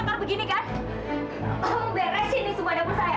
jam segini masih di dapur